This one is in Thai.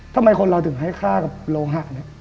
ทำไมคนเราถึงให้ฆ่ากับโลหะเนี่ย